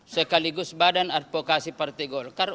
sekaligus badan advokasi partai golkar